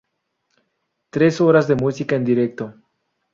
Tres horas de música en directo.